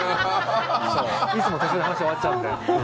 いつも途中で話が終わっちゃうので。